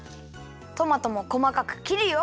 トマトもこまかくきるよ。